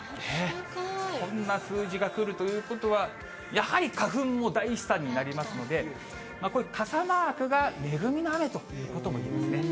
こんな数字がくるということは、やはり花粉も大飛散になりますので、これ、傘マークが恵みの雨ということもいえますね。